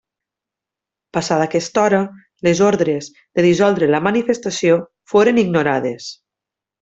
Passada aquesta hora, les ordres de dissoldre la manifestació foren ignorades.